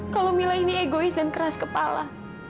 kalau mila ini egois dan keras kepala